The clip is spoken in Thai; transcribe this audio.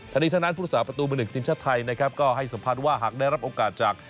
ทีมชาติไทยนะครับก็ให้สัมภาษณ์ว่าหากได้รับโอกาสจาก